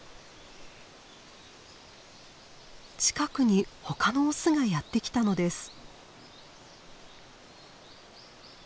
近くに他のオスがやって来たのです。